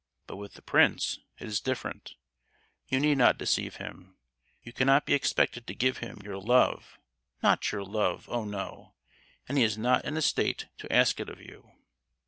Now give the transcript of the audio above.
But with the prince it is different, you need not deceive him; you cannot be expected to give him your love, not your love—oh, no! and he is not in a state to ask it of you!"